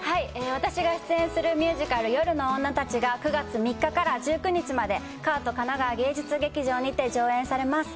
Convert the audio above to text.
私が出演するミュージカル「夜の女たち」が９月３日から１９日までＫＡＡＴ神奈川芸術劇場で上演されます。